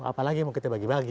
apalagi mau kita bagi bagi